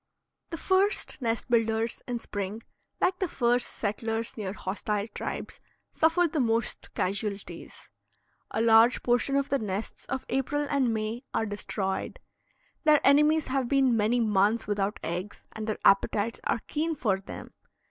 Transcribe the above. The first nest builders in spring, like the first settlers near hostile tribes, suffer the most casualties. A large portion of the nests of April and May are destroyed; their enemies have been many months without eggs and their appetites are keen for them.